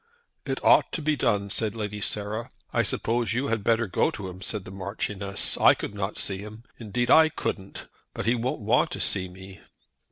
"It ought to be done," said Lady Sarah. "I suppose you had better go to him," said the Marchioness. "I could not see him; indeed I couldn't. But he won't want to see me."